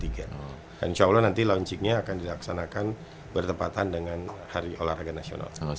insya allah nanti launchingnya akan dilaksanakan bertepatan dengan hari olahraga nasional